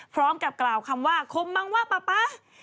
พร้อมกับกล่าวคำว่าคมมังว่าป๊าป๊า